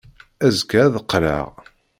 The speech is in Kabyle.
Azekka ad d-qqleɣ.